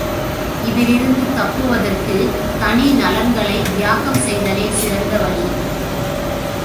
இதிலிருந்து தப்புவதற்குத் தனி நலன்களைத் தியாகம் செய்தலே சிறந்த வழி.